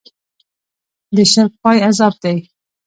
د شرک پای عذاب دی.